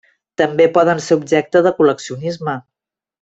També poden ser objecte de col·leccionisme.